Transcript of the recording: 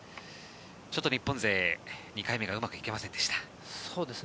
日本勢、２回目がうまくいきませんでした。